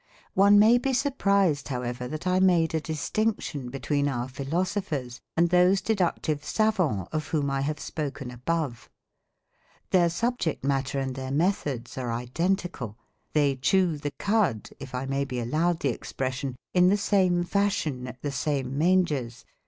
One may be surprised, however, that I made a distinction between our philosophers and those deductive savants of whom I have spoken above. Their subject matter and their methods are identical. They chew the cud if I may be allowed the expression in the same fashion at the same mangers.